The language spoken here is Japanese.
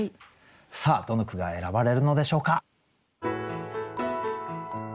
さあどの句が選ばれるのでしょうか。